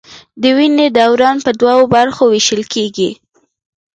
د وینې دوران په دوو برخو ویشل کېږي.